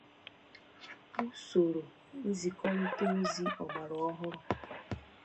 usoro nzikọrịta ozi ọgbara ọhụrụ